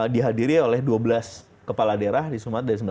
dihadiri oleh dua belas kepala daerah di sumatera dari sembilan belas